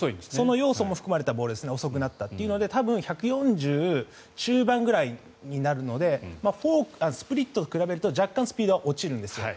その要素も含まれたボール遅くなったということで多分１４０中盤ぐらいになるのでスプリットと比べると若干スピードは落ちるんです。